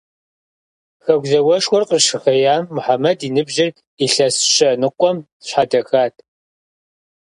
Хэку зауэшхуэр къыщыхъеям, Мухьэмэд и ныбжьыр илъэс щэ ныкъуэм щхьэдэхат.